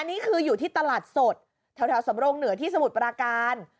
นี่คืออยู่ที่ตลาดสดแถวสำรงเหนือที่สมุทรปราการ